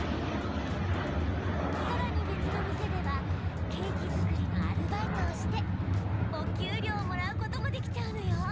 さらに別の店ではケーキ作りのアルバイトをしてお給料もらうこともできちゃうのよ。